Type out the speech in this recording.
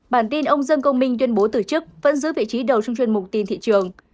bản tin ông dương công minh tuyên bố từ chức vẫn giữ vị trí đầu trong chuyên mục tin thị trường